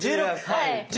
はい。